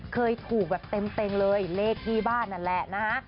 เคยถูกแบบเต็มเลยเลขที่บ้านนั่นแหละนะฮะ